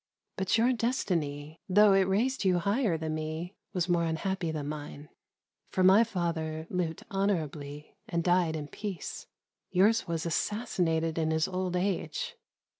But your destiny, though it raised you higher than me, was more unhappy than mine. For my father lived honourably, and died in peace: yours was assassinated in his old age.